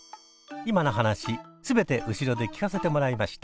今の話全て後ろで聞かせてもらいました。